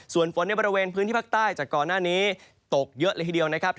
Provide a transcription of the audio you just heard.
ส่วนฝนในบริเวณพื้นที่ภาคใต้จากก่อนหน้านี้ตกเยอะเลยทีเดียวนะครับ